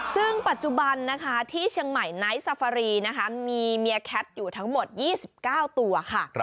ซึ่งปัจจุบันนะคะที่เชียงใหม่ไนท์ซาฟารีนะคะมีเมียแคทอยู่ทั้งหมด๒๙ตัวค่ะ